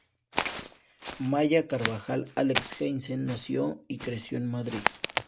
Maya Carbajal Alex-Hansen nació y creció en Madrid.